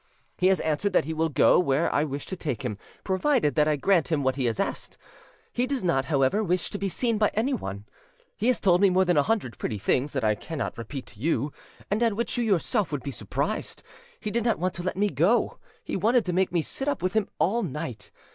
He has answered that he will go where I wish to take him, provided that I grant him what he has asked. He does not, however, wish to be seen by anyone. "He has told me more than a hundred pretty things that I cannot repeat to you, and at which you yourself would be surprised: he did not want to let me go; he wanted to make me sit up with him all night.